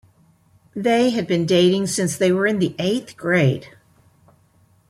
They had been dating since they were in the eighth grade.